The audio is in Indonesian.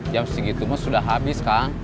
jam segitu mah sudah habis kan